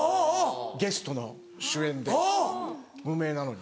ゲストの主演で無名なのに。